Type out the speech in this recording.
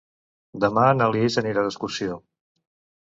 Demà na Lis anirà d'excursió.